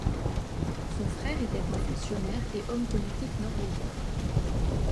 Son frère était un fonctionnaire et homme politique norvégien.